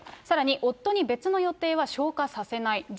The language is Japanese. さらに夫に別の予定は消化させない。